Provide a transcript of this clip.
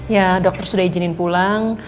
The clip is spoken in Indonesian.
ya dokter sudah izinin pulang